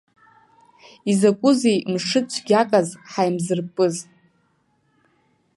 Изакәызеи мшы цәгьаказ ҳаимзырпыз?